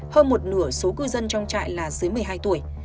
hơn một nửa số cư dân trong trại là dưới một mươi hai tuổi